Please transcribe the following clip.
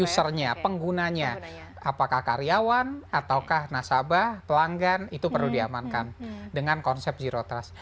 usernya penggunanya apakah karyawan ataukah nasabah pelanggan itu perlu diamankan dengan konsep zero trust